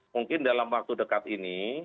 mungkin dalam waktu dekat ini